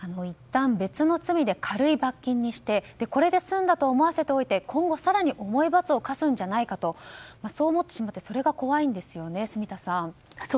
いったん別の罪で軽い罰金にしてこれで済んだと思わせておいて今後、更に重い罰を科すんじゃないかと思ってしまってそれが怖いんですよね、住田さん。